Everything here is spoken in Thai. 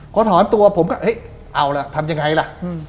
พอถอนตัวผมก็เฮ้ยเอาล่ะทำยังไงล่ะ